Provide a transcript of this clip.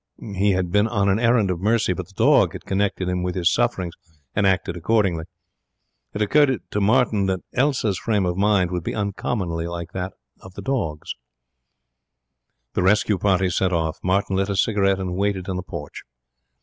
He had been on an errand of mercy, but the dog had connected him with his sufferings and acted accordingly. It occurred to Martin that Elsa's frame of mind would be uncommonly like that dog's. The rescue party set off. Martin lit a cigarette, and waited in the porch.